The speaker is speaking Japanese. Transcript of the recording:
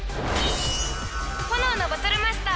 炎のバトルマスター。